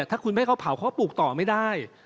ถ้าคุณไม่ให้เขาเผาเขาปลูกต่อไม่ได้